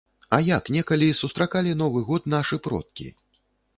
А як некалі сустракалі новы год нашы продкі?